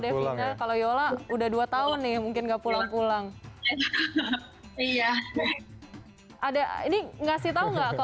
devina kalau yola udah dua tahun nih mungkin nggak pulang pulang iya ada ini ngasih tau nggak ke